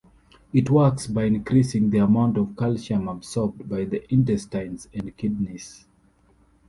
It works by increasing the amount of calcium absorbed by the intestines and kidneys.